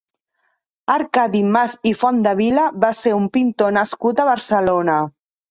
Arcadi Mas i Fontdevila va ser un pintor nascut a Barcelona.